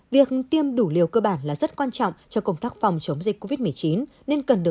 việc tiêm đủ liều cơ bản là rất quan trọng cho công tác phòng chống dịch covid một mươi chín nên cần được ưu tiên đổi đạt